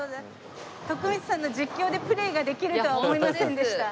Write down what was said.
徳光さんの実況でプレーができるとは思いませんでした。